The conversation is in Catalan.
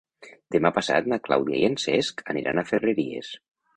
Demà passat na Clàudia i en Cesc aniran a Ferreries.